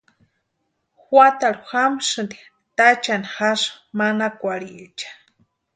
Juatarhu jamasïnti táchani jasï manakwarhiriecha.